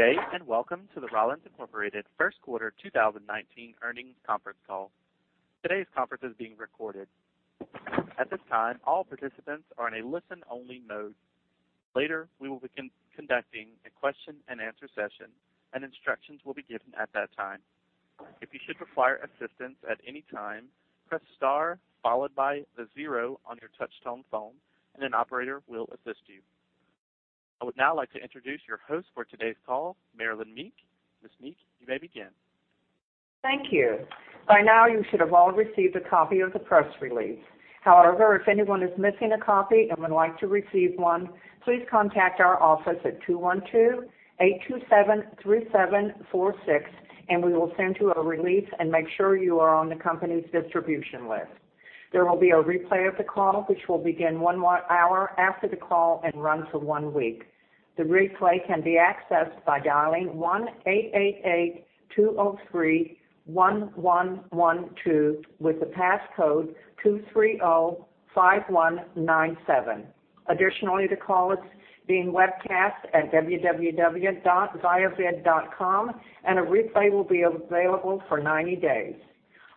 Good day, and welcome to the Rollins Incorporated first quarter 2019 earnings conference call. Today's conference is being recorded. At this time, all participants are in a listen-only mode. Later, we will be conducting a question-and-answer session, and instructions will be given at that time. If you should require assistance at any time, press star followed by the zero on your touch-tone phone and an operator will assist you. I would now like to introduce your host for today's call, Marilyn Meek. Ms. Meek, you may begin. Thank you. By now, you should have all received a copy of the press release. If anyone is missing a copy and would like to receive one, please contact our office at 212-827-3746, and we will send you a release and make sure you are on the company's distribution list. There will be a replay of the call, which will begin one hour after the call and run for one week. The replay can be accessed by dialing 1-888-203-1112 with the passcode 2305197. The call is being webcast at www.viavid.com, and a replay will be available for 90 days.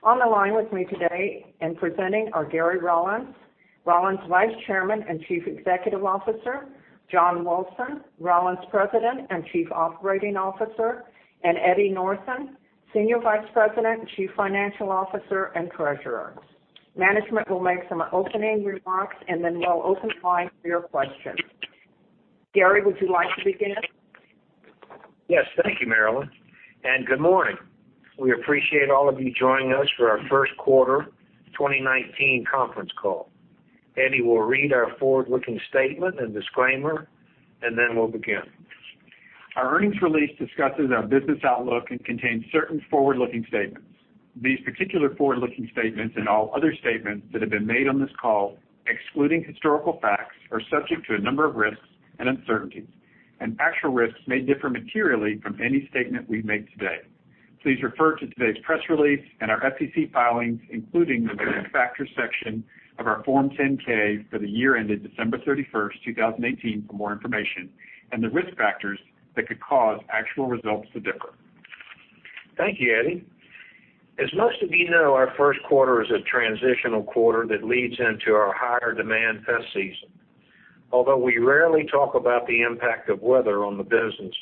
On the line with me today and presenting are Gary Rollins Vice Chairman and Chief Executive Officer, John Wilson, Rollins President and Chief Operating Officer, and Eddie Northen, Senior Vice President, Chief Financial Officer, and Treasurer. Management will make some opening remarks. Then we'll open lines for your questions. Gary, would you like to begin? Yes. Thank you, Marilyn, good morning. We appreciate all of you joining us for our first quarter 2019 conference call. Eddie will read our forward-looking statement and disclaimer. Then we'll begin. Our earnings release discusses our business outlook and contains certain forward-looking statements. These particular forward-looking statements and all other statements that have been made on this call, excluding historical facts, are subject to a number of risks and uncertainties, and actual risks may differ materially from any statement we make today. Please refer to today's press release and our SEC filings, including the Risk Factors section of our Form 10-K for the year ended December 31st, 2018 for more information and the risk factors that could cause actual results to differ. Thank you, Eddie. As most of you know, our first quarter is a transitional quarter that leads into our higher demand pest season. Although we rarely talk about the impact of weather on the business,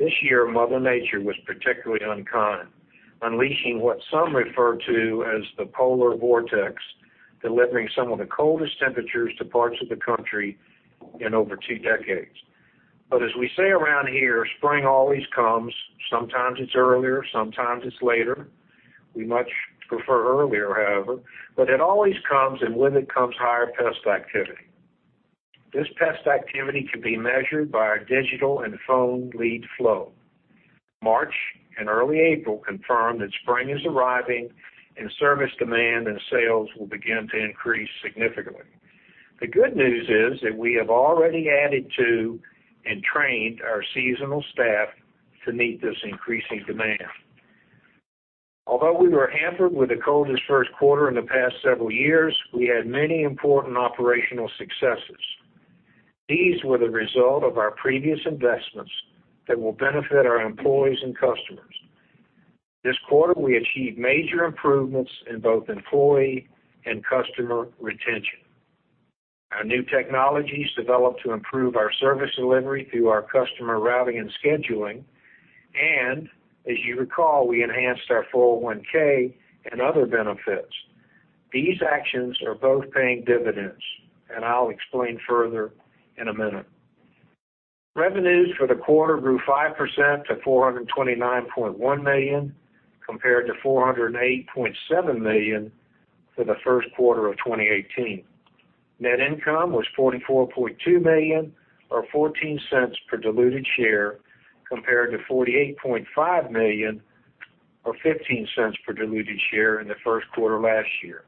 this year, Mother Nature was particularly unkind, unleashing what some refer to as the polar vortex, delivering some of the coldest temperatures to parts of the country in over two decades. As we say around here, spring always comes. Sometimes it's earlier, sometimes it's later. We much prefer earlier, however. It always comes, and with it comes higher pest activity. This pest activity can be measured by our digital and phone lead flow. March and early April confirm that spring is arriving, and service demand and sales will begin to increase significantly. The good news is that we have already added to and trained our seasonal staff to meet this increasing demand. Although we were hampered with the coldest first quarter in the past several years, we had many important operational successes. These were the result of our previous investments that will benefit our employees and customers. This quarter, we achieved major improvements in both employee and customer retention. Our new technologies developed to improve our service delivery through our customer routing and scheduling. As you recall, we enhanced our 401 and other benefits. These actions are both paying dividends, and I'll explain further in a minute. Revenues for the quarter grew 5% to $429.1 million, compared to $408.7 million for the first quarter of 2018. Net income was $44.2 million, or $0.14 per diluted share, compared to $48.5 million or $0.15 per diluted share in the first quarter last year.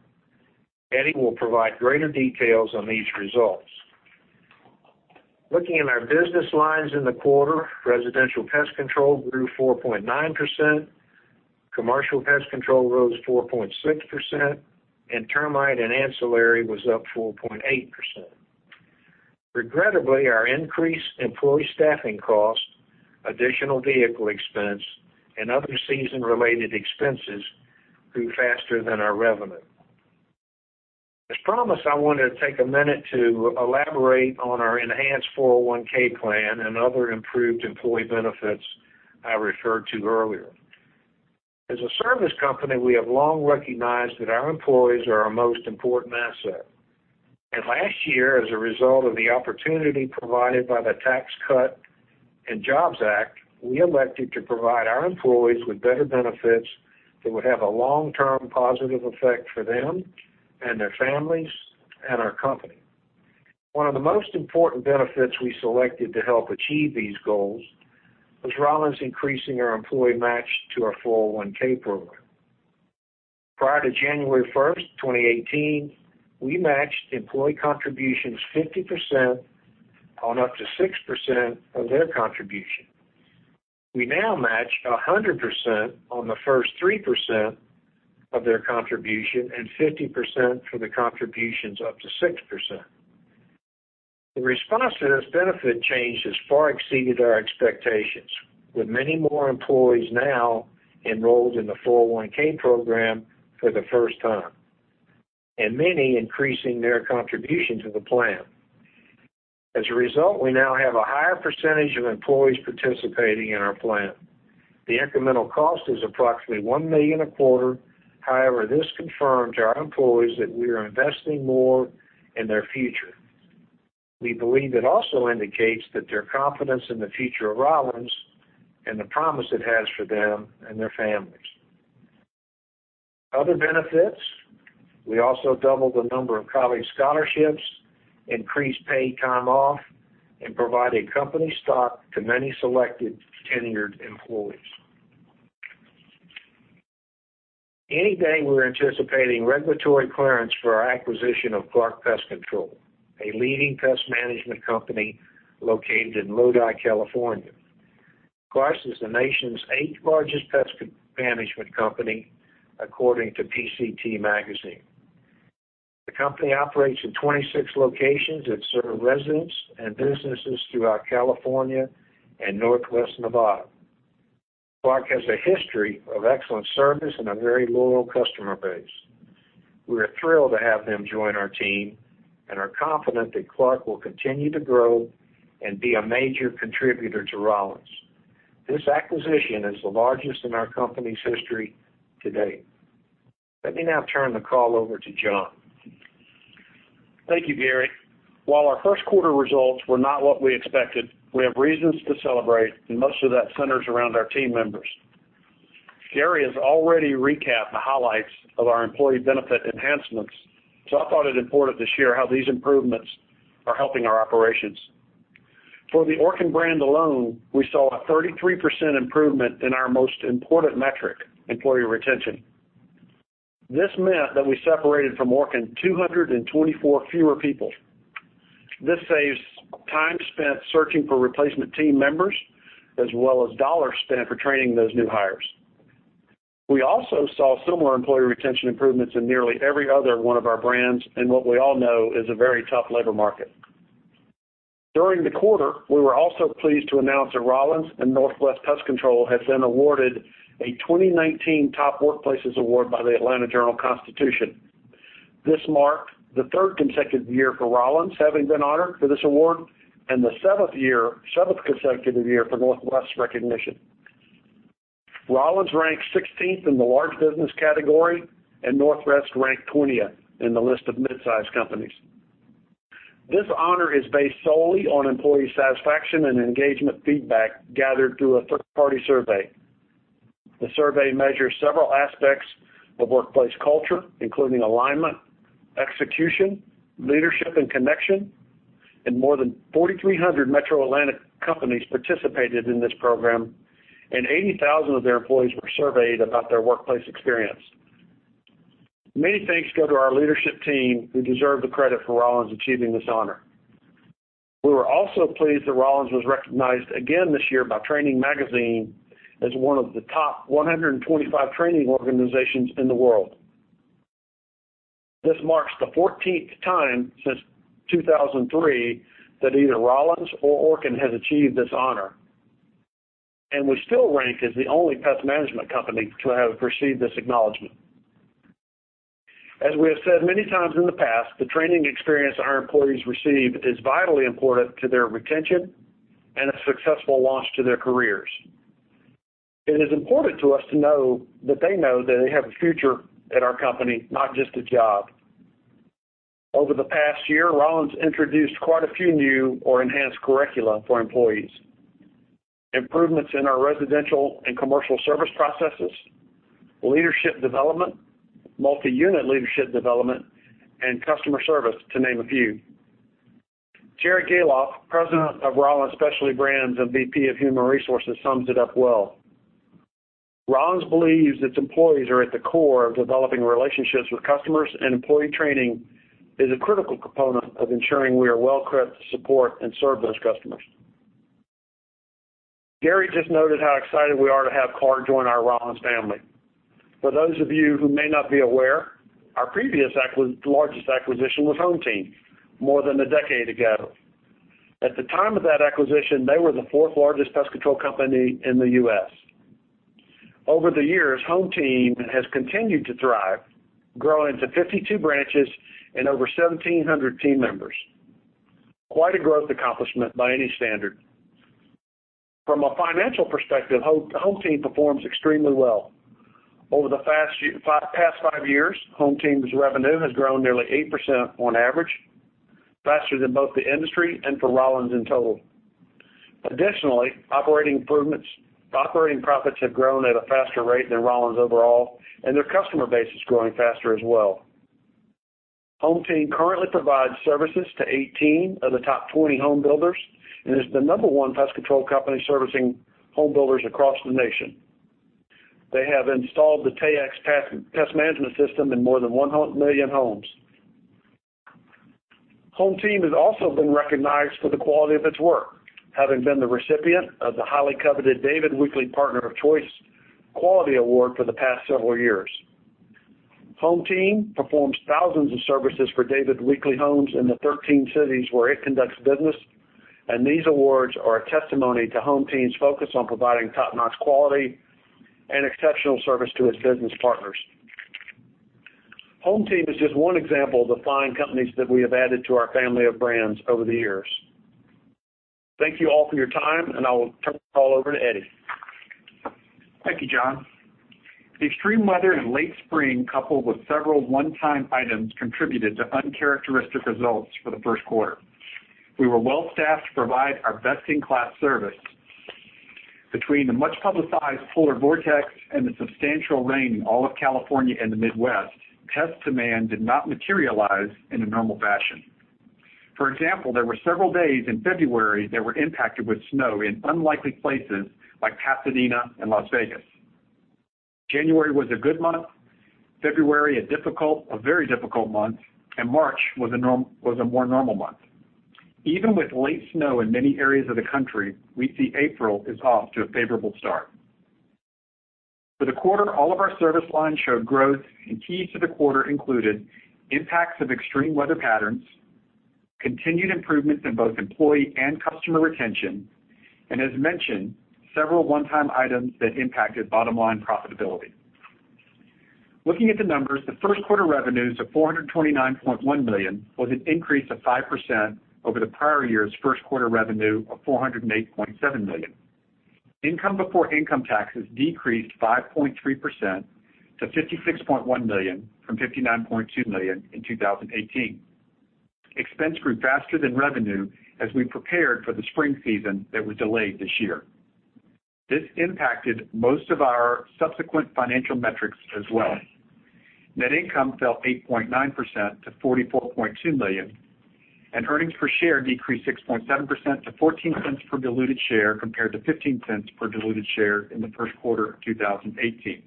Eddie will provide greater details on these results. Looking at our business lines in the quarter, residential pest control grew 4.9%, commercial pest control rose 4.6%, and termite and ancillary was up 4.8%. Regrettably, our increased employee staffing costs, additional vehicle expense, and other season-related expenses grew faster than our revenue. As promised, I want to take a minute to elaborate on our enhanced 401 plan and other improved employee benefits I referred to earlier. As a service company, we have long recognized that our employees are our most important asset. Last year, as a result of the opportunity provided by the Tax Cuts and Jobs Act, we elected to provide our employees with better benefits that would have a long-term positive effect for them and their families and our company. One of the most important benefits we selected to help achieve these goals was Rollins increasing our employee match to our 401 program. Prior to January 1st, 2018, we matched employee contributions 50% on up to 6% of their contribution. We now match 100% on the first 3% of their contribution and 50% for the contributions up to 6%. The response to this benefit change has far exceeded our expectations, with many more employees now enrolled in the 401(k) program for the first time, and many increasing their contribution to the plan. As a result, we now have a higher percentage of employees participating in our plan. The incremental cost is approximately $1 million a quarter. However, this confirms to our employees that we are investing more in their future. We believe it also indicates that their confidence in the future of Rollins and the promise it has for them and their families. Other benefits. We also doubled the number of college scholarships, increased paid time off, and provided company stock to many selected tenured employees. Any day, we're anticipating regulatory clearance for our acquisition of Clark Pest Control, a leading pest management company located in Lodi, California. Clark is the nation's eighth-largest pest management company, according to PCT Magazine. The company operates in 26 locations that serve residents and businesses throughout California and Northwest Nevada. Clark has a history of excellent service and a very loyal customer base. We are thrilled to have them join our team and are confident that Clark will continue to grow and be a major contributor to Rollins. This acquisition is the largest in our company's history to date. Let me now turn the call over to John. Thank you, Gary. While our first quarter results were not what we expected, we have reasons to celebrate, and most of that centers around our team members. Gary has already recapped the highlights of our employee benefit enhancements, so I thought it important to share how these improvements are helping our operations. For the Orkin brand alone, we saw a 33% improvement in our most important metric, employee retention. This meant that we separated from Orkin 224 fewer people. This saves time spent searching for replacement team members, as well as dollars spent for training those new hires. We also saw similar employee retention improvements in nearly every other one of our brands in what we all know is a very tough labor market. During the quarter, we were also pleased to announce that Rollins and Northwest Exterminating has been awarded a 2019 Top Workplaces award by The Atlanta Journal-Constitution. This marked the third consecutive year for Rollins having been honored for this award and the seventh consecutive year for Northwest's recognition. Rollins ranked 16th in the large business category, and Northwest ranked 20th in the list of midsize companies. This honor is based solely on employee satisfaction and engagement feedback gathered through a third-party survey. The survey measures several aspects of workplace culture, including alignment, execution, leadership, and connection, and more than 4,300 Metro Atlanta companies participated in this program, and 80,000 of their employees were surveyed about their workplace experience. Many thanks go to our leadership team, who deserve the credit for Rollins achieving this honor. We were also pleased that Rollins was recognized again this year by Training Magazine as one of the top 125 training organizations in the world. This marks the 14th time since 2003 that either Rollins or Orkin has achieved this honor, and we still rank as the only pest management company to have received this acknowledgment. As we have said many times in the past, the training experience our employees receive is vitally important to their retention and a successful launch to their careers. It is important to us to know that they know that they have a future at our company, not just a job. Over the past year, Rollins introduced quite a few new or enhanced curricula for employees. Improvements in our residential and commercial service processes, leadership development, multi-unit leadership development, and customer service, to name a few. Tara Gahlhoff, President of Rollins Specialty Brands and VP of Human Resources, sums it up well. Rollins believes its employees are at the core of developing relationships with customers, and employee training is a critical component of ensuring we are well equipped to support and serve those customers. Gary just noted how excited we are to have Clark join our Rollins family. For those of you who may not be aware, our previous largest acquisition was HomeTeam more than a decade ago. At the time of that acquisition, they were the fourth-largest pest control company in the U.S. Over the years, HomeTeam has continued to thrive, growing to 52 branches and over 1,700 team members. Quite a growth accomplishment by any standard. From a financial perspective, HomeTeam performs extremely well. Over the past five years, HomeTeam's revenue has grown nearly 8% on average, faster than both the industry and for Rollins in total. Additionally, operating profits have grown at a faster rate than Rollins overall, and their customer base is growing faster as well. HomeTeam currently provides services to 18 of the top 20 home builders and is the number one pest control company servicing home builders across the nation. They have installed the Taexx Pest Management System in more than 1 million homes. HomeTeam has also been recognized for the quality of its work, having been the recipient of the highly coveted David Weekley Partner of Choice Quality Award for the past several years. HomeTeam performs thousands of services for David Weekley Homes in the 13 cities where it conducts business. These awards are a testimony to HomeTeam's focus on providing top-notch quality and exceptional service to its business partners. HomeTeam is just one example of the fine companies that we have added to our family of brands over the years. Thank you all for your time. I will turn it all over to Eddie. Thank you, John. The extreme weather in late spring, coupled with several one-time items, contributed to uncharacteristic results for the first quarter. We were well-staffed to provide our best-in-class service. Between the much-publicized polar vortex and the substantial rain in all of California and the Midwest, pest demand did not materialize in a normal fashion. For example, there were several days in February that were impacted with snow in unlikely places like Pasadena and Las Vegas. January was a good month, February a difficult, a very difficult month. March was a more normal month. Even with late snow in many areas of the country, we see April is off to a favorable start. For the quarter, all of our service lines showed growth. Keys to the quarter included impacts of extreme weather patterns, continued improvements in both employee and customer retention, and as mentioned, several one-time items that impacted bottom-line profitability. Looking at the numbers, the first quarter revenues of $429.1 million was an increase of 5% over the prior year's first quarter revenue of $408.7 million. Income before income taxes decreased 5.3% to $56.1 million from $59.2 million in 2018. Expense grew faster than revenue as we prepared for the spring season that was delayed this year. This impacted most of our subsequent financial metrics as well. Net income fell 8.9% to $44.2 million, and earnings per share decreased 6.7% to $0.14 per diluted share compared to $0.15 per diluted share in the first quarter of 2018.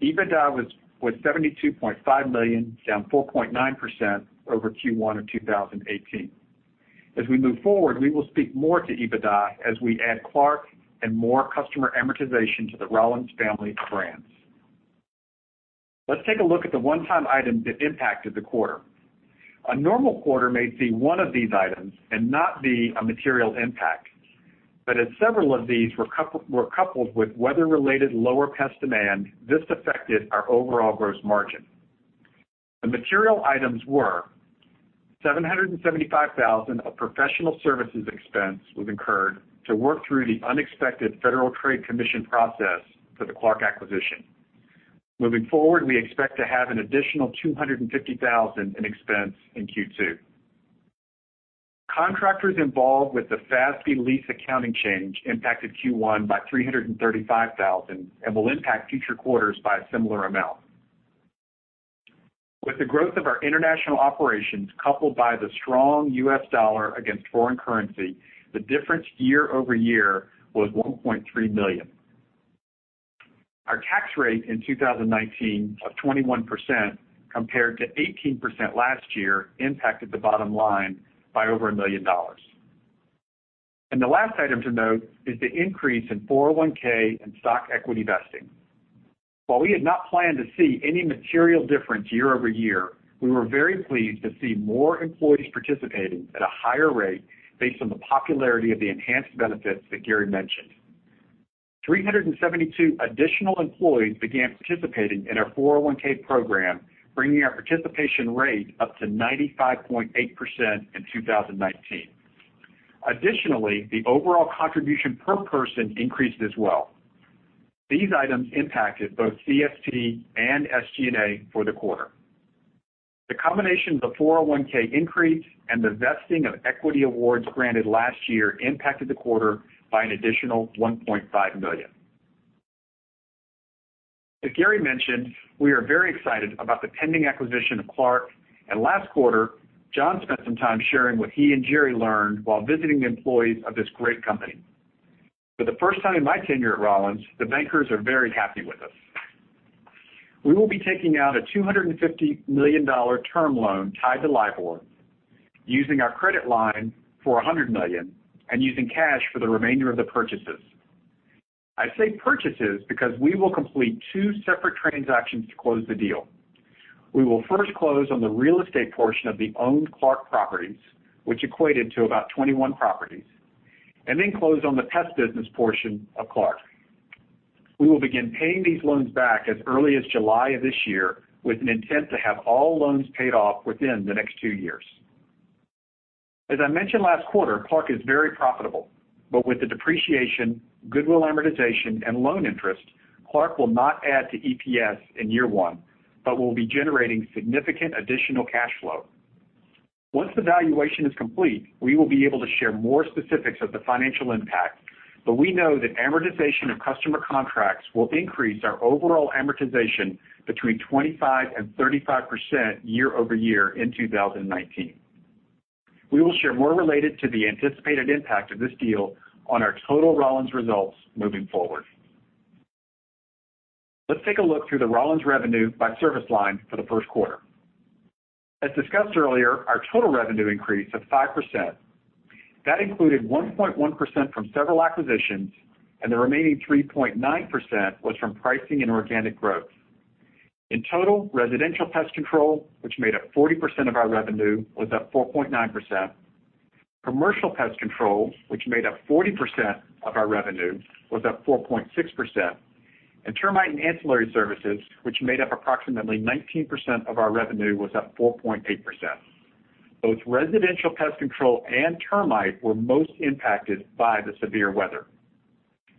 EBITDA was $72.5 million, down 4.9% over Q1 of 2018. As we move forward, we will speak more to EBITDA as we add Clark and more customer amortization to the Rollins family of brands. Let's take a look at the one-time items that impacted the quarter. A normal quarter may see one of these items and not be a material impact, but as several of these were coupled with weather-related lower pest demand, this affected our overall gross margin. The material items were $775,000 of professional services expense was incurred to work through the unexpected Federal Trade Commission process for the Clark acquisition. Moving forward, we expect to have an additional $250,000 in expense in Q2. Contractors involved with the FASB lease accounting change impacted Q1 by $335,000 and will impact future quarters by a similar amount. With the growth of our international operations coupled by the strong U.S. dollar against foreign currency, the difference year-over-year was $1.3 million. Our tax rate in 2019 of 21% compared to 18% last year impacted the bottom line by over a million dollars. The last item to note is the increase in 401 and stock equity vesting. While we had not planned to see any material difference year-over-year, we were very pleased to see more employees participating at a higher rate based on the popularity of the enhanced benefits that Gary mentioned. 372 additional employees began participating in our 401 program, bringing our participation rate up to 95.8% in 2019. Additionally, the overall contribution per person increased as well. These items impacted both COS and SG&A for the quarter. The combination of the 401(k) increase and the vesting of equity awards granted last year impacted the quarter by an additional $1.5 million. As Gary mentioned, we are very excited about the pending acquisition of Clark, and last quarter, John spent some time sharing what he and Jerry learned while visiting the employees of this great company. For the first time in my tenure at Rollins, the bankers are very happy with us. We will be taking out a $250 million term loan tied to LIBOR, using our credit line for $100 million and using cash for the remainder of the purchases. I say purchases because we will complete two separate transactions to close the deal. We will first close on the real estate portion of the owned Clark properties, which equated to about 21 properties, and then close on the pest business portion of Clark. We will begin paying these loans back as early as July of this year with an intent to have all loans paid off within the next two years. As I mentioned last quarter, Clark is very profitable, but with the depreciation, goodwill amortization, and loan interest, Clark will not add to EPS in year one, but will be generating significant additional cash flow. Once the valuation is complete, we will be able to share more specifics of the financial impact, but we know that amortization of customer contracts will increase our overall amortization between 25%-35% year-over-year in 2019. We will share more related to the anticipated impact of this deal on our total Rollins results moving forward. Let's take a look through the Rollins revenue by service line for the first quarter. Discussed earlier, our total revenue increased 5%. That included 1.1% from several acquisitions. The remaining 3.9% was from pricing and organic growth. In total, residential pest control, which made up 40% of our revenue, was up 4.9%. Commercial pest control, which made up 40% of our revenue, was up 4.6%, and termite and ancillary services, which made up approximately 19% of our revenue, was up 4.8%. Both residential pest control and termite were most impacted by the severe weather.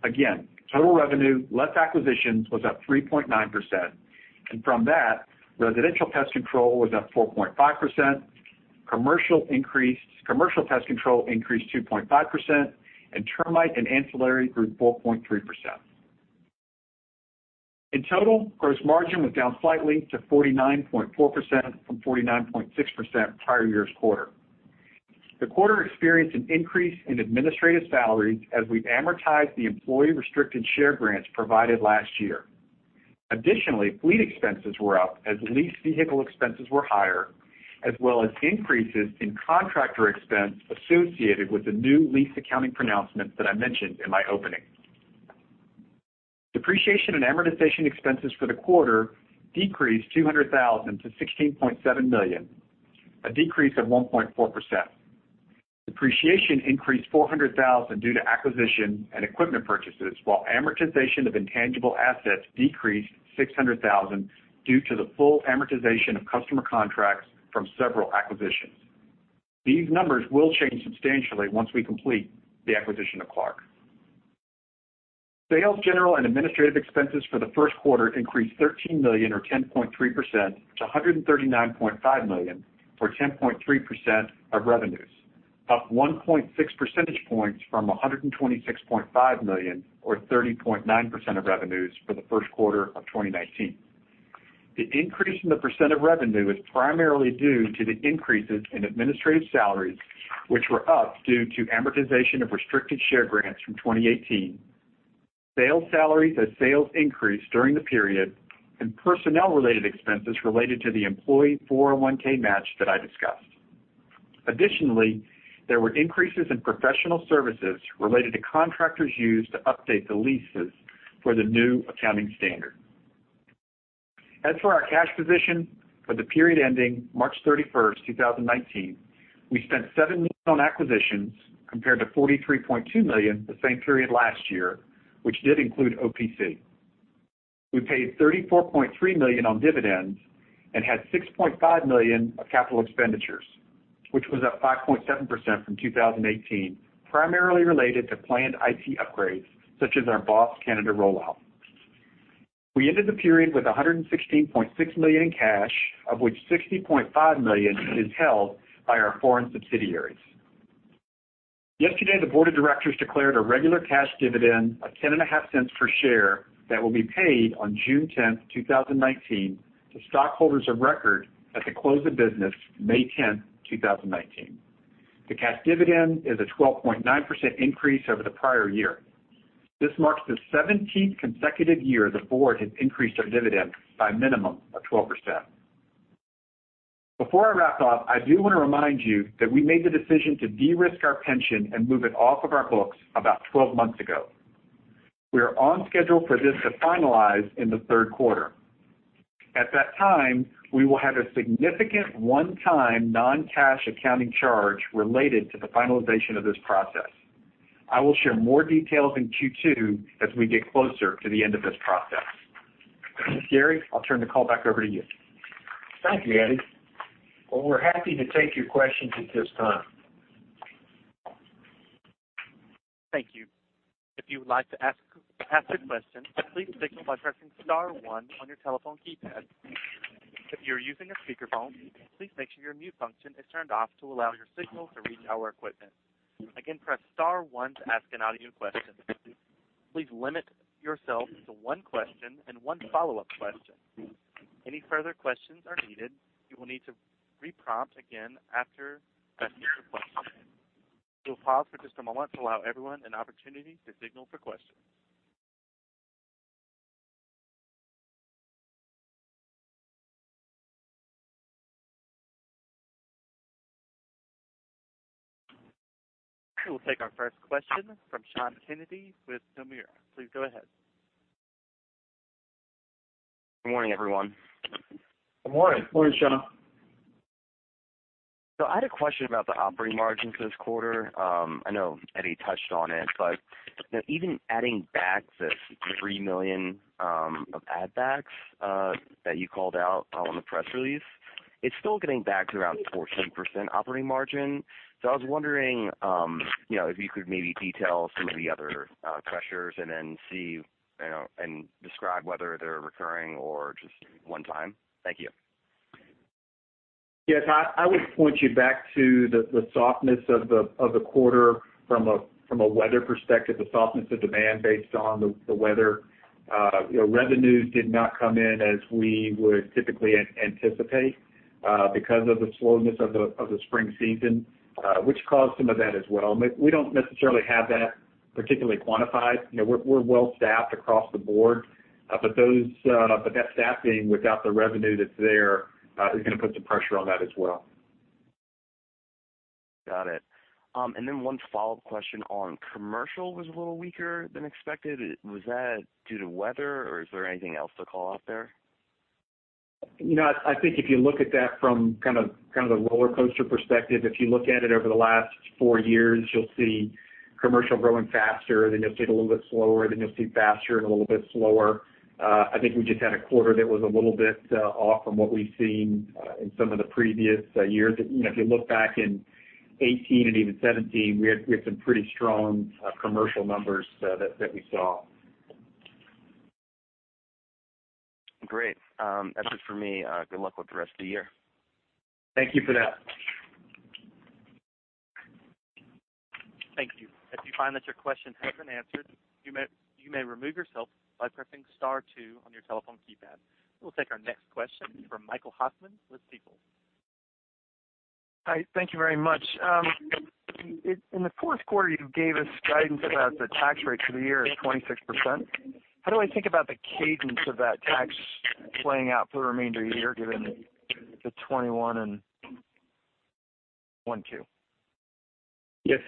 Again, total revenue, less acquisitions, was up 3.9%. From that, residential pest control was up 4.5%, commercial pest control increased 2.5%, and termite and ancillary grew 4.3%. In total, gross margin was down slightly to 49.4% from 49.6% prior year's quarter. The quarter experienced an increase in administrative salaries as we've amortized the employee restricted share grants provided last year. Additionally, fleet expenses were up as lease vehicle expenses were higher, as well as increases in contractor expense associated with the new lease accounting pronouncements that I mentioned in my opening. Depreciation and amortization expenses for the quarter decreased $200,000 to $16.7 million, a decrease of 1.4%. Depreciation increased $400,000 due to acquisition and equipment purchases, while amortization of intangible assets decreased $600,000 due to the full amortization of customer contracts from several acquisitions. These numbers will change substantially once we complete the acquisition of Clark. Sales, General and Administrative expenses for the first quarter increased $13 million or 10.3% to $139.5 million, or 10.3% of revenues, up 1.6 percentage points from $126.5 million or 30.9% of revenues for the first quarter of 2019. The increase in the percent of revenue is primarily due to the increases in administrative salaries, which were up due to amortization of restricted share grants from 2018, sales salaries as sales increased during the period, and personnel related expenses related to the employee 401(k) match that I discussed. Additionally, there were increases in professional services related to contractors used to update the leases for the new accounting standard. As for our cash position for the period ending March 31st, 2019, we spent $7 million on acquisitions compared to $43.2 million the same period last year, which did include OPC. We paid $34.3 million on dividends and had $6.5 million of capital expenditures, which was up 5.7% from 2018, primarily related to planned IT upgrades, such as our BOSS Canada rollout. We ended the period with $116.6 million in cash, of which $60.5 million is held by our foreign subsidiaries. Yesterday, the board of directors declared a regular cash dividend of $0.105 per share that will be paid on June 10th, 2019 to stockholders of record at the close of business May 10th, 2019. The cash dividend is a 12.9% increase over the prior year. This marks the 17th consecutive year the board has increased our dividend by a minimum of 12%. Before I wrap up, I do want to remind you that we made the decision to de-risk our pension and move it off of our books about 12 months ago. We are on schedule for this to finalize in the third quarter. At that time, we will have a significant one-time non-cash accounting charge related to the finalization of this process. I will share more details in Q2 as we get closer to the end of this process. Gary, I'll turn the call back over to you. Thank you, Eddie. Well, we're happy to take your questions at this time. Thank you. If you would like to ask or to have your question, please signal by pressing star one on your telephone keypad. If you're using a speakerphone, please make sure your mute function is turned off to allow your signal to reach our equipment. Again, press star one to ask an audio question. Please limit yourself to one question and one follow-up question. Any further questions are needed, you will need to re-prompt again after asking your question. We'll pause for just a moment to allow everyone an opportunity to signal for questions. We'll take our first question from Sean Kennedy with Nomura. Please go ahead. Good morning, everyone. Good morning. Morning, Sean. I had a question about the operating margins this quarter. I know Eddie touched on it, but even adding back the $3 million of add backs that you called out on the press release, it's still getting back to around 14% operating margin. I was wondering, if you could maybe detail some of the other pressures and then see and describe whether they're recurring or just one time. Thank you. Yes, I would point you back to the softness of the quarter from a weather perspective, the softness of demand based on the weather. Revenues did not come in as we would typically anticipate, because of the slowness of the spring season, which caused some of that as well. We don't necessarily have that particularly quantified. We're well-staffed across the board. That staffing, without the revenue that's there, is going to put some pressure on that as well. Got it. One follow-up question on commercial was a little weaker than expected. Was that due to weather, or is there anything else to call out there? I think if you look at that from kind of the rollercoaster perspective, if you look at it over the last four years, you'll see commercial growing faster, you'll see it a little bit slower, you'll see faster and a little bit slower. I think we just had a quarter that was a little bit off from what we've seen in some of the previous years. If you look back in 2018 and even 2017, we had some pretty strong commercial numbers that we saw. Great. That's it for me. Good luck with the rest of the year. Thank you for that. Thank you. If you find that your question has been answered, you may remove yourself by pressing star two on your telephone keypad. We'll take our next question from Michael Hoffman with Stifel. Hi. Thank you very much. In the fourth quarter, you gave us guidance about the tax rate for the year is 26%. How do I think about the cadence of that tax playing out for the remainder of the year, given the 21 in 1Q? Yes.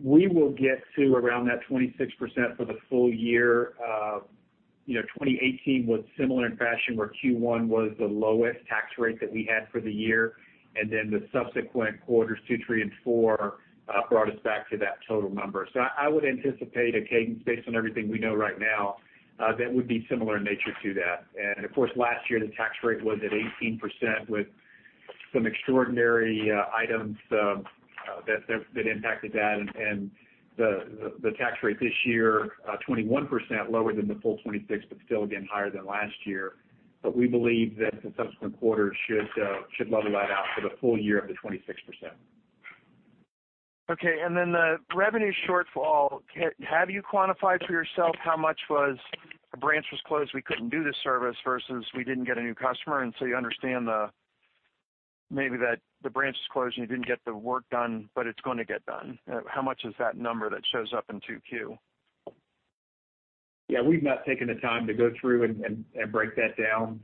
We will get to around that 26% for the full year. 2018 was similar in fashion, where Q1 was the lowest tax rate that we had for the year. Then the subsequent quarters, two, three, and four, brought us back to that total number. I would anticipate a cadence based on everything we know right now that would be similar in nature to that. Of course, last year, the tax rate was at 18% with some extraordinary items that impacted that. The tax rate this year, 21%, lower than the full 26%, but still again, higher than last year. We believe that the subsequent quarters should level that out for the full year up to 26%. Okay. The revenue shortfall, have you quantified for yourself how much was a branch was closed, we couldn't do the service versus we didn't get a new customer? You understand maybe that the branch is closed and you didn't get the work done, but it's going to get done. How much is that number that shows up in 2Q? Yeah. We've not taken the time to go through and break that down.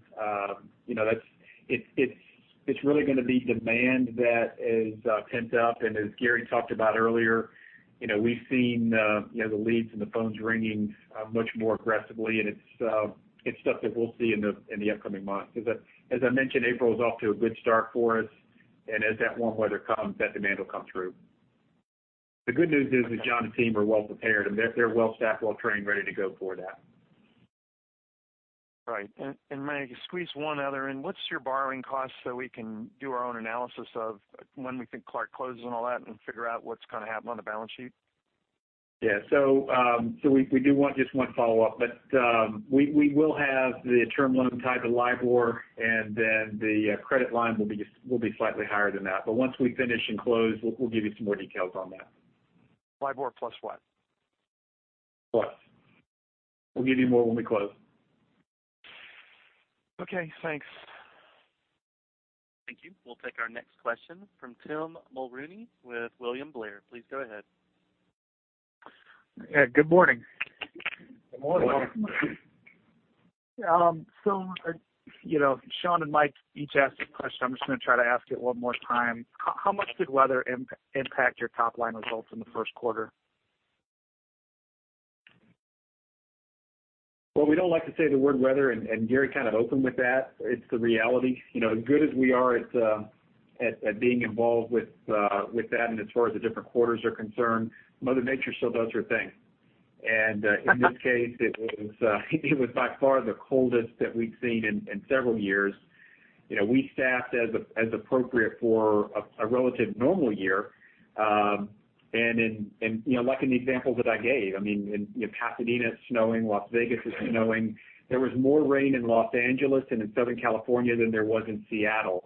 It's really going to be demand that is pent up. As Gary talked about earlier, we've seen the leads and the phones ringing much more aggressively, and it's stuff that we'll see in the upcoming months. As I mentioned, April is off to a good start for us, and as that warm weather comes, that demand will come through. The good news is that John and team are well-prepared, and they're well-staffed, well-trained, ready to go for that. Right. May I squeeze one other in? What's your borrowing cost so we can do our own analysis of when we think Clark closes and all that and figure out what's going to happen on the balance sheet? Yeah. We do want just one follow-up. We will have the term loan tied to LIBOR, and then the credit line will be slightly higher than that. Once we finish and close, we'll give you some more details on that. LIBOR plus what? Plus. We'll give you more when we close. Okay, thanks. Thank you. We'll take our next question from Tim Mulrooney with William Blair. Please go ahead. Yeah, good morning. Good morning. Sean and Mike each asked a question. I'm just going to try to ask it one more time. How much did weather impact your top-line results in the first quarter? Well, we don't like to say the word weather, and Gary kind of opened with that. It's the reality. As good as we are at being involved with that, and as far as the different quarters are concerned, Mother Nature still does her thing. In this case, it was by far the coldest that we've seen in several years. We staffed as appropriate for a relative normal year. Like in the examples that I gave, Pasadena is snowing, Las Vegas is snowing. There was more rain in Los Angeles and in Southern California than there was in Seattle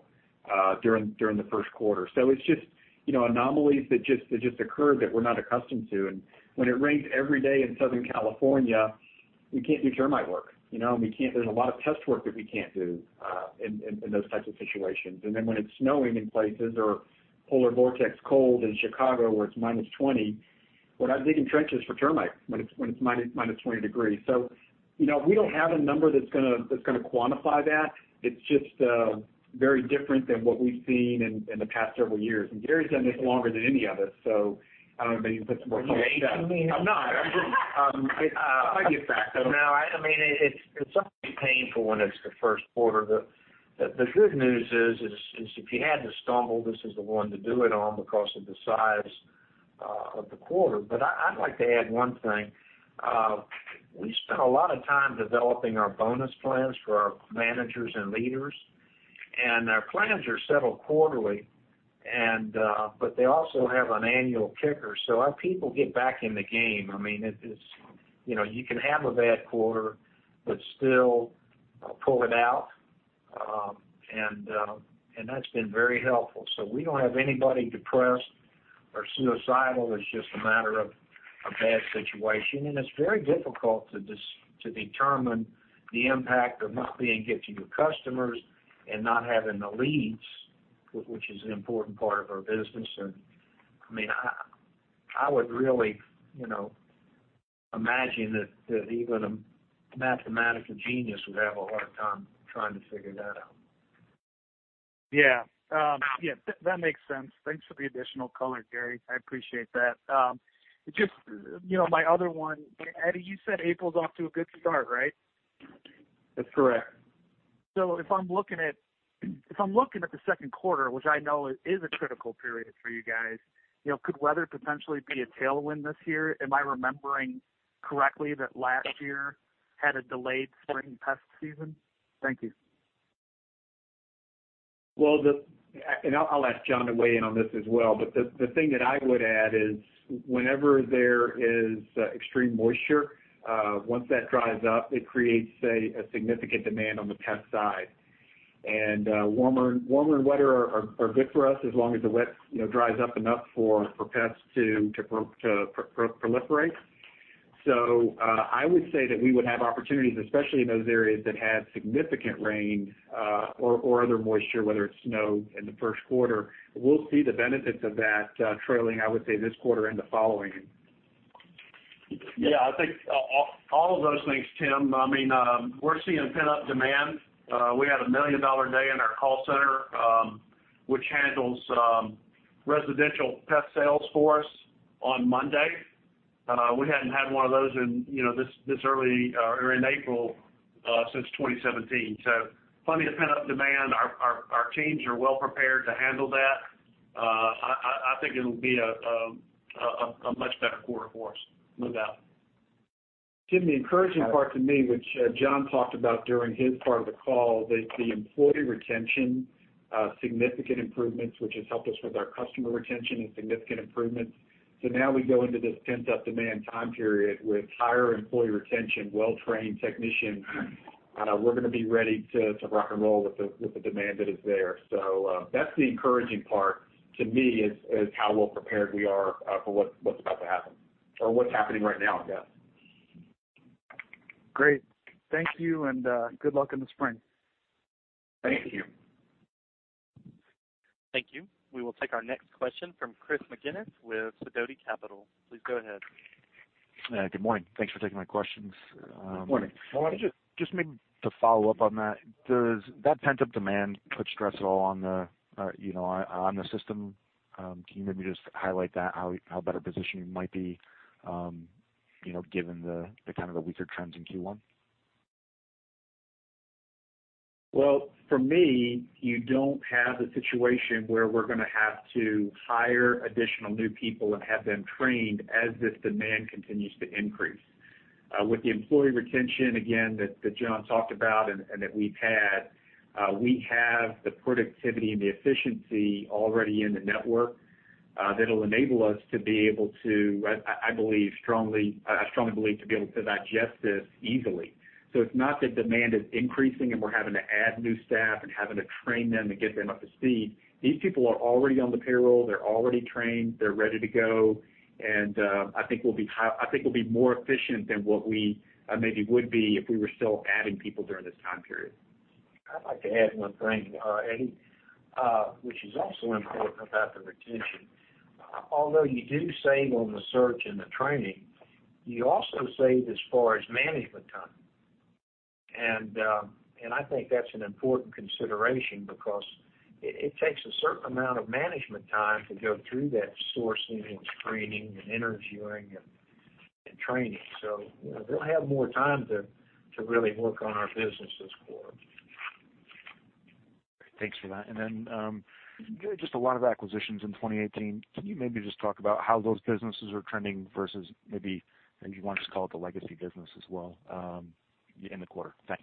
during the first quarter. It's just anomalies that just occur that we're not accustomed to. When it rains every day in Southern California, we can't do termite work. There's a lot of pest work that we can't do in those types of situations. When it's snowing in places or polar vortex cold in Chicago where it's -20, we're not digging trenches for termites when it's -20 degrees. We don't have a number that's going to quantify that. It's just very different than what we've seen in the past several years. Gary's done this longer than any of us, so I don't know if maybe you can put some more color to that. Are you aiming me? I'm not. I get that. No, it's something painful when it's the first quarter. The good news is if you had to stumble, this is the one to do it on because of the size of the quarter. I'd like to add one thing. We spent a lot of time developing our bonus plans for our managers and leaders, and our plans are settled quarterly, but they also have an annual kicker, so our people get back in the game. You can have a bad quarter but still pull it out, and that's been very helpful. We don't have anybody depressed or suicidal. It's just a matter of a bad situation, and it's very difficult to determine the impact of not being get to your customers and not having the leads. Which is an important part of our business. I would really imagine that even a mathematical genius would have a hard time trying to figure that out. Yeah. That makes sense. Thanks for the additional color, Gary. I appreciate that. My other one, Eddie, you said April's off to a good start, right? That's correct. If I'm looking at the second quarter, which I know is a critical period for you guys, could weather potentially be a tailwind this year? Am I remembering correctly that last year had a delayed spring pest season? Thank you. I'll ask John to weigh in on this as well, the thing that I would add is whenever there is extreme moisture, once that dries up, it creates a significant demand on the pest side. Warmer and wetter are good for us as long as the wet dries up enough for pests to proliferate. I would say that we would have opportunities, especially in those areas that had significant rain or other moisture, whether it's snow in the first quarter. We'll see the benefits of that trailing, I would say, this quarter into following. I think all of those things, Tim. We're seeing pent-up demand. We had a $1 million day in our call center, which handles residential pest sales for us on Monday. We hadn't had one of those in this early in April since 2017. Plenty of pent-up demand. Our teams are well prepared to handle that. I think it'll be a much better quarter for us, no doubt. Tim, the encouraging part to me, which John talked about during his part of the call, the employee retention, significant improvements, which has helped us with our customer retention and significant improvements. Now we go into this pent-up demand time period with higher employee retention, well-trained technicians. We're going to be ready to rock and roll with the demand that is there. That's the encouraging part to me is how well prepared we are for what's about to happen or what's happening right now, I guess. Great. Thank you, and good luck in the spring. Thank you. Thank you. We will take our next question from Chris McGinnis with Sidoti Capital. Please go ahead. Good morning. Thanks for taking my questions. Good morning. I wanted just maybe to follow up on that. Does that pent-up demand put stress at all on the system? Can you maybe just highlight that, how better positioned you might be given the weaker trends in Q1? Well, for me, you don't have a situation where we're going to have to hire additional new people and have them trained as this demand continues to increase. With the employee retention, again, that John talked about and that we've had, we have the productivity and the efficiency already in the network that'll enable us to be able to, I strongly believe, to be able to digest this easily. It's not that demand is increasing and we're having to add new staff and having to train them to get them up to speed. These people are already on the payroll. They're already trained. They're ready to go, and I think we'll be more efficient than what we maybe would be if we were still adding people during this time period. I'd like to add one thing, Eddie, which is also important about the retention. Although you do save on the search and the training, you also save as far as management time. I think that's an important consideration because it takes a certain amount of management time to go through that sourcing and screening and interviewing and training. They'll have more time to really work on our business as well. Thanks for that. You had just a lot of acquisitions in 2018. Can you maybe just talk about how those businesses are trending versus maybe if you want to just call it the legacy business as well in the quarter? Thanks.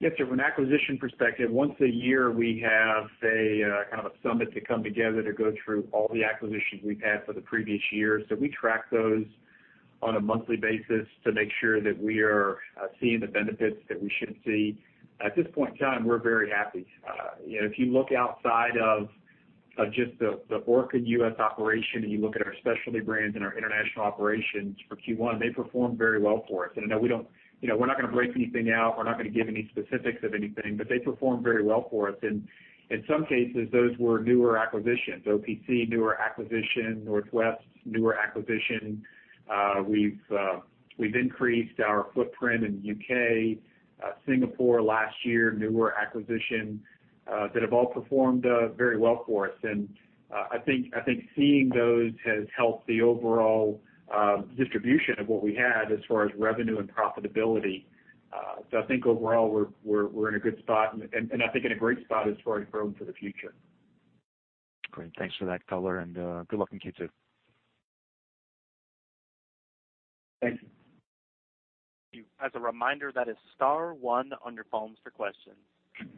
Yes, sure. From an acquisition perspective, once a year, we have a summit to come together to go through all the acquisitions we've had for the previous year. We track those on a monthly basis to make sure that we are seeing the benefits that we should see. At this point in time, we're very happy. If you look outside of just the Orkin US operation, and you look at our Rollins Specialty Brands and our international operations for Q1, they performed very well for us. I know we're not going to break anything out. We're not going to give any specifics of anything, they performed very well for us. In some cases, those were newer acquisitions. OPC, newer acquisition, Northwest, newer acquisition. We've increased our footprint in the U.K., Singapore last year, newer acquisition, that have all performed very well for us. I think seeing those has helped the overall distribution of what we had as far as revenue and profitability. I think overall, we're in a good spot, and I think in a great spot as far as growth for the future. Great. Thanks for that color, good luck in Q2. Thank you. As a reminder, that is star one on your phones for questions.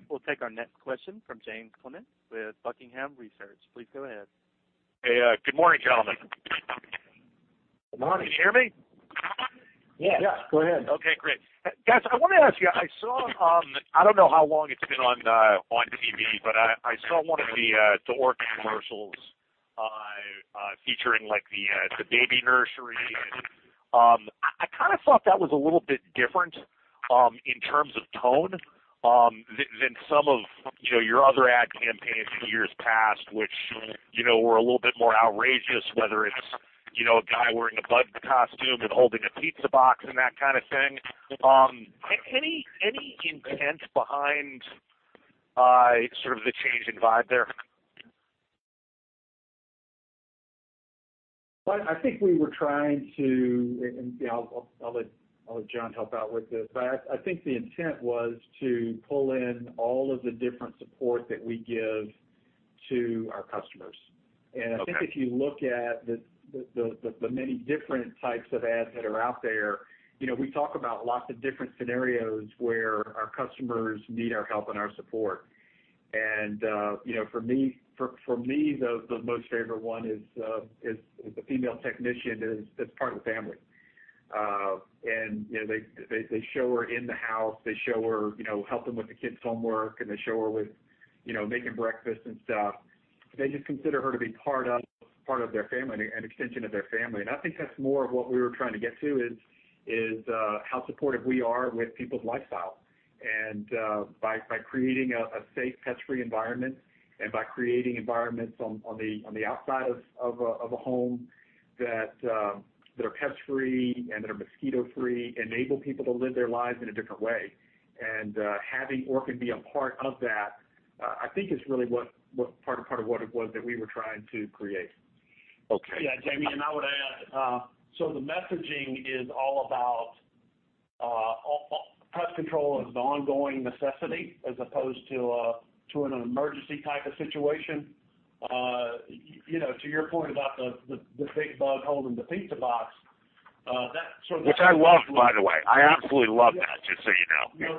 We'll take our next question from James Clement with Buckingham Research. Please go ahead. Hey, good morning, gentlemen. Good morning. Can you hear me? Yes. Yeah. Go ahead. Okay, great. Guys, I want to ask you. I don't know how long it's been on TV, but I saw one of the Orkin commercials featuring the baby nursery. I kind of thought that was a little bit different, in terms of tone, than some of your other ad campaigns in years past, which were a little bit more outrageous, whether it's a guy wearing a bug costume and holding a pizza box and that kind of thing. Any intent behind the change in vibe there? Well, I think we were trying to, and I'll let John help out with this, but I think the intent was to pull in all of the different support that we give to our customers. Okay. I think if you look at the many different types of ads that are out there, we talk about lots of different scenarios where our customers need our help and our support. For me, the most favorite one is the female technician that's part of the family. They show her in the house, they show her helping with the kids' homework, they show her with making breakfast and stuff. They just consider her to be part of their family, an extension of their family. I think that's more of what we were trying to get to is, how supportive we are with people's lifestyle. By creating a safe, pest-free environment, by creating environments on the outside of a home that are pest-free and that are mosquito-free, enable people to live their lives in a different way. Having Orkin be a part of that, I think is really part of what it was that we were trying to create. Okay. James, I would add, the messaging is all about, pest control is an ongoing necessity as opposed to an emergency type of situation. To your point about the big bug holding the pizza box. Which I loved, by the way. I absolutely loved that, just so you know.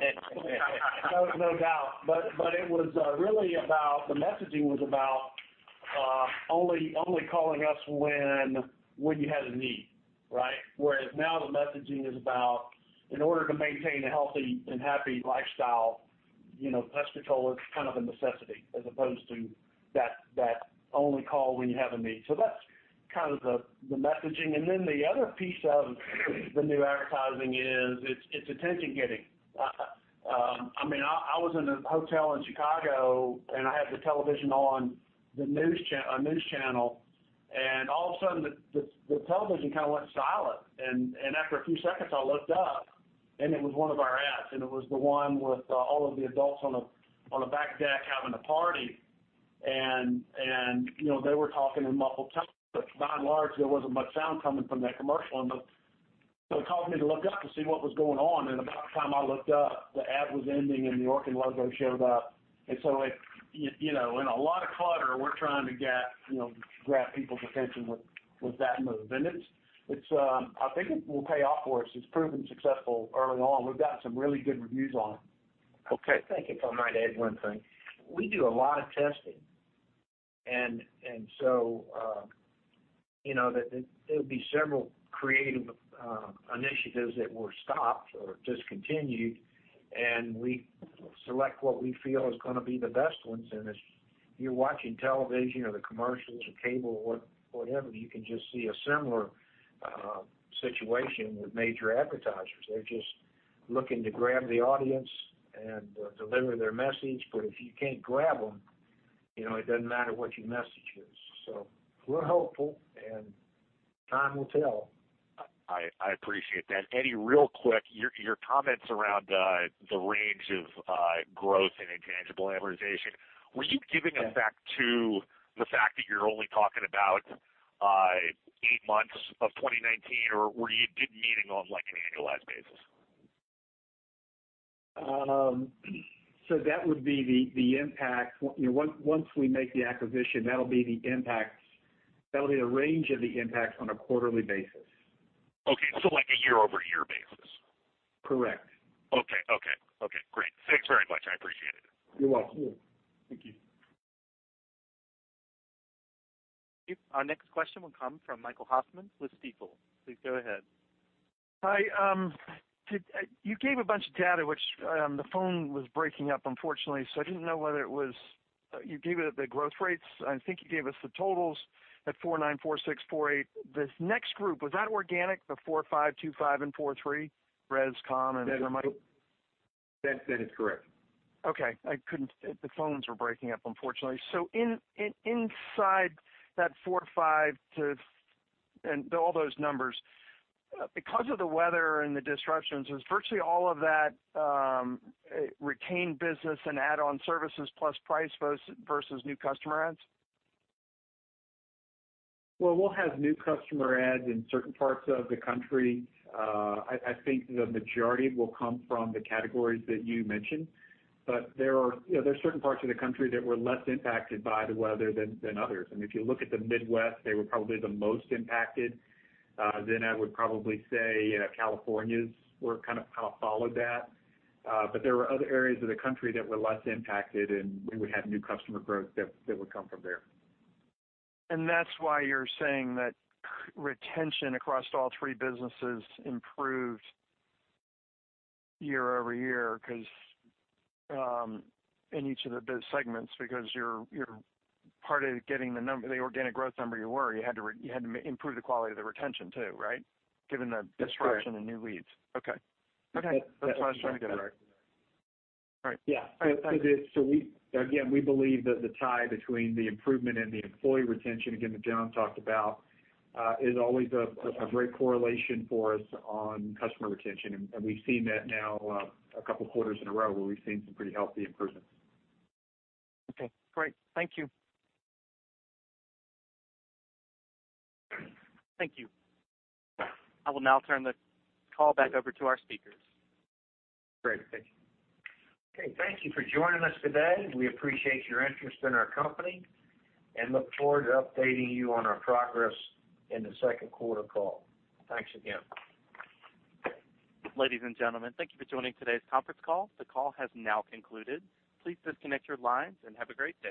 No doubt. The messaging was about only calling us when you had a need, right? Whereas now the messaging is about, in order to maintain a healthy and happy lifestyle, pest control is kind of a necessity as opposed to that only call when you have a need. That's kind of the messaging. The other piece of the new advertising is, it's attention-getting. I was in a hotel in Chicago, and I had the television on a news channel. All of a sudden, the television kind of went silent. After a few seconds, I looked up, and it was one of our ads, and it was the one with all of the adults on the back deck having a party. They were talking in muffled tones, but by and large, there wasn't much sound coming from that commercial. It caused me to look up to see what was going on, and about the time I looked up, the ad was ending, and the Orkin logo showed up. In a lot of clutter, we're trying to grab people's attention with that move. I think it will pay off for us. It's proven successful early on. We've got some really good reviews on it. Okay. I think if I might add one thing. We do a lot of testing, there'll be several creative initiatives that were stopped or discontinued, and we select what we feel is going to be the best ones. As you're watching television or the commercials or cable or whatever, you can just see a similar situation with major advertisers. They're just looking to grab the audience and deliver their message, but if you can't grab them, it doesn't matter what your message is. We're hopeful, and time will tell. I appreciate that. Eddie, real quick, your comments around the range of growth in intangible amortization. Were you giving effect to the fact that you're only talking about 8 months of 2019, or were you meeting on an annualized basis? That would be the impact. Once we make the acquisition, that'll be the range of the impact on a quarterly basis. Okay. Like a year-over-year basis. Correct. Okay. Great. Thanks very much. I appreciate it. You're welcome. Thank you. Our next question will come from Michael Hoffman with Stifel. Please go ahead. Hi. You gave a bunch of data, which the phone was breaking up unfortunately, so I didn't know whether it was. You gave it the growth rates. I think you gave us the totals at four nine four six four eight. This next group, was that organic, the four five two five and four three? Res, Com, and then. That is correct. The phones were breaking up, unfortunately. Inside that four five and all those numbers, because of the weather and the disruptions, was virtually all of that retained business and add-on services plus price versus new customer adds? We'll have new customer adds in certain parts of the country. I think the majority will come from the categories that you mentioned. There are certain parts of the country that were less impacted by the weather than others. If you look at the Midwest, they were probably the most impacted. I would probably say California was kind of followed that. There were other areas of the country that were less impacted, and we would have new customer growth that would come from there. That's why you're saying that retention across all three businesses improved year-over-year, in each of the segments, because part of getting the organic growth number you were, you had to improve the quality of the retention too, right? Given the disruption. That's correct. in new leads. Okay. That's correct. That's what I was trying to get at. All right. Yeah. Again, we believe that the tie between the improvement and the employee retention, again, that John talked about, is always a great correlation for us on customer retention. We've seen that now a couple of quarters in a row where we've seen some pretty healthy improvements. Okay, great. Thank you. Thank you. I will now turn the call back over to our speakers. Great. Thank you. Okay. Thank you for joining us today. We appreciate your interest in our company and look forward to updating you on our progress in the second quarter call. Thanks again. Ladies and gentlemen, thank you for joining today's conference call. The call has now concluded. Please disconnect your lines and have a great day.